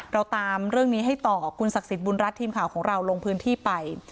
เราตามเรื่องนี้ให้ต่อคุณศักดิ์สิทธิบุญรัฐทีมข่าวของเราลงพื้นที่ไป